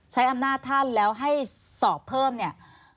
ใช้อำนาจท่านแล้วให้สอบเพิ่มเนี่ย